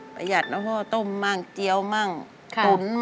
ประหยัดเนอะค่ะว่าต้มเตี้ยวมาก